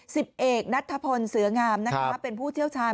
สิบเอกณัฐพลเสืองามเป็นผู้เชี่ยวชาญ